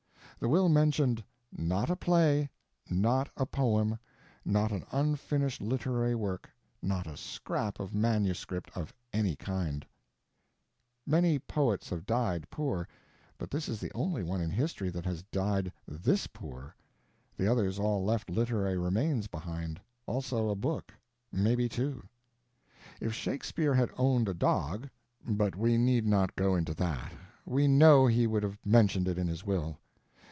The will mentioned not a play, not a poem, not an unfinished literary work, not a scrap of manuscript of any kind. Many poets have died poor, but this is the only one in history that has died this poor; the others all left literary remains behind. Also a book. Maybe two. If Shakespeare had owned a dog—but we need not go into that: we know he would have mentioned it in his will.